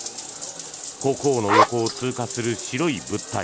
国王の横を通過する白い物体。